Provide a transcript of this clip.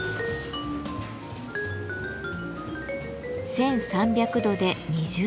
１，３００度で２０時間。